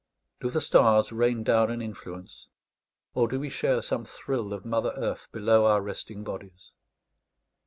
Do the stars rain down an influence, or do we share some thrill of mother earth below our resting bodies?